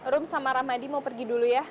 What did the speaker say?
rum sama ramadi mau pergi dulu ya